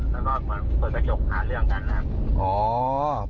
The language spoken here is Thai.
แล้วก็เปิดกระจกหาเรื่องกัน